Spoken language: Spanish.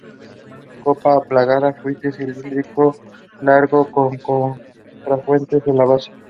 Copa aplanada, fuste cilíndrico, largo, con contrafuertes en la base.